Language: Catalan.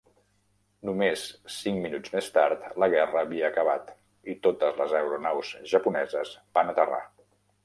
Només cinc minuts més tard, la guerra havia acabat i totes les aeronaus japoneses van aterrar.